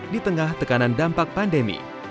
di tengah tekanan dampak pandemi